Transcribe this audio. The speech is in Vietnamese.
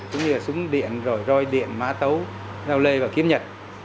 cũng như là súng điện rồi roi điện mã tấu nao lê và kiếm nhật